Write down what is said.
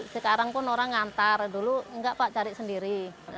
sekarang pun orang ngantar dulu enggak pak cari sendiri